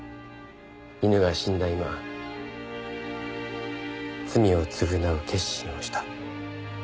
犬が死んだ今罪を償う決心をした。